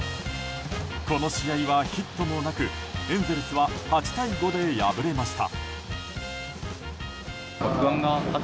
この試合はヒットもなくエンゼルスは８対５で敗れました。